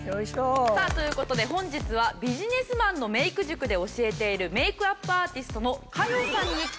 さあという事で本日はビジネスマンのメイク塾で教えているメイクアップアーティストの華世さんに来て頂きました。